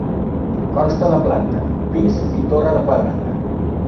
Consta de planta, pis i torre quadrada.